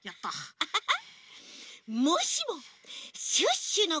アハハハ！